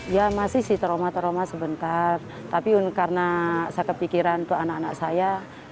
ya masih sih trauma trauma sebentar tapi karena saya kepikiran tuh anak anak saya